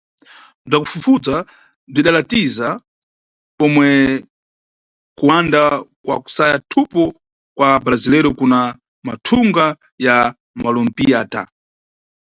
Bzwakufufudza bzwidalatiza pomwe kuwanda kwa kusaya thupo kwa abrasileiro kuna mathunga ya maOlimpíada.